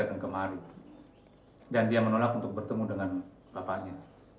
dan dia menolak untuk bertemu dengan bapaknya